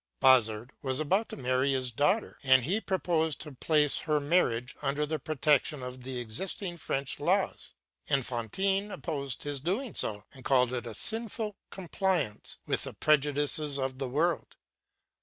Bazard was about marrying his daughter, and he proposed to place her marriage under the protection of the existing French laws. Enfantin opposed his doing so, and called it a sinful compliance with the prejudices of the world.